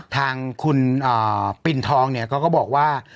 ทางคุณปินทองเนี่ยเขาก็บอกว่า